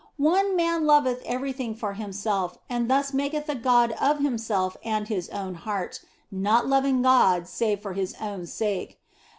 One man loveth everything for himself and thus maketh a god of himself and his own heart, not loving God save for his own sake.